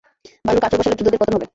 ভাল্লুক আঁচড় বসালে যোদ্ধাদের পতন হবে।